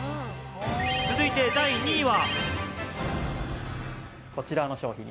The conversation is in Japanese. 続いて第２位は。